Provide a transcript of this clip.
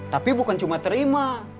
tapi bukan cuma terima